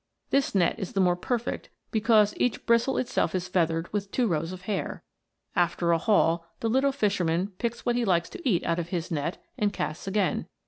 This net is the more perfect because each bristle itself is feathered with two rows of hair. After a haul, the little fisherman picks what he likes to eat out of his net, and casts again.